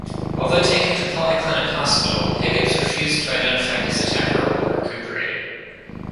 Although taken to Polyclinic Hospital, Higgins refused to identify his attacker while recuperating.